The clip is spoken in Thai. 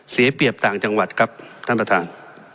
เสียเปรียบต่างจังหวัดครับท่านประธาน